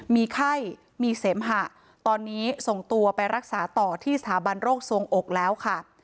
มีไข้มีเสมหะตอนนี้ส่งตัวไปรักษาต่อที่สถาบันโรคสวงอกแล้วค่ะ